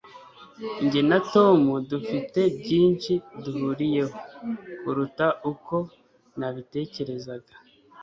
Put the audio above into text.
Jye na Tom dufite byinshi duhuriyeho kuruta uko nabitekerezaga.